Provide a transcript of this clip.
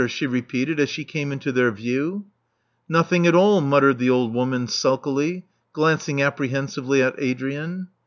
she repeated, as she came into their view. Nothing at all," muttered the old woman sulkily, glancing apprehensively at Adrian.